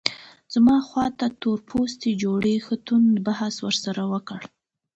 زما خواته تور پوستي جوړې ښه توند بحث ورسره وکړ.